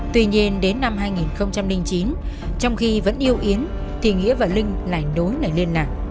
tuy nhiên đến năm hai nghìn chín trong khi vẫn yêu yến thì nghĩa và linh lại nối lại liên lạc